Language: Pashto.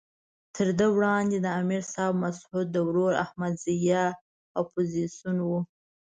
تر ده وړاندې د امر صاحب مسعود ورور احمد ضیاء اپوزیسون وو.